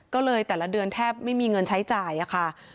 ก็เลยแต่ละเดือนแทบไม่มีเงินใช้จ่ายค่ะ